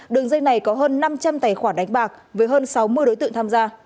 đường dây này có hơn năm trăm linh tài khoản đánh bạc với hơn sáu mươi đối tượng tham gia